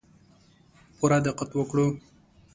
پوره دقت وکړو.